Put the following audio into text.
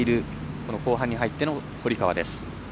この後半に入っての堀川です。